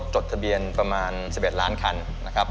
จดทะเบียนประมาณ๑๑ล้านคันนะครับ